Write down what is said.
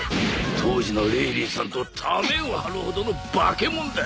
当時のレイリーさんとタメをはるほどの化け物だ。